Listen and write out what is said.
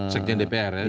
sekjen dpr ya